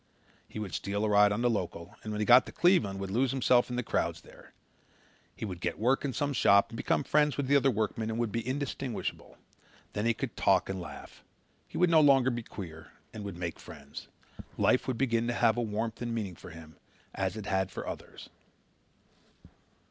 He would steal a ride on the local and when he got to Cleveland would lose himself in the crowds there. He would get work in some shop and become friends with the other workmen and would be indistinguishable. Then he could talk and laugh. He would no longer be queer and would make friends. Life would begin to have warmth and meaning for him as it had for others.